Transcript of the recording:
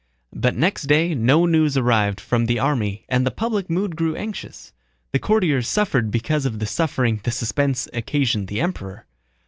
But next day no news arrived from the army and the public mood grew anxious. The courtiers suffered because of the suffering the suspense occasioned the Emperor.